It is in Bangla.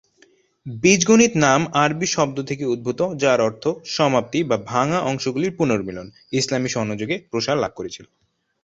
বীজগণিত নাম আরবি শব্দ থেকে উদ্ভূত যার অর্থ সমাপ্তি বা "ভাঙা অংশগুলির পুনর্মিলন", ইসলামী স্বর্ণযুগে প্রসার লাভ করেছিল।